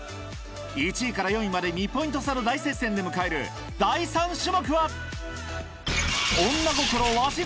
１位から４位まで２ポイント差の大接戦で迎える第３種目は⁉